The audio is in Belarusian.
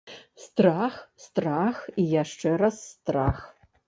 Страх, страх і яшчэ раз страх.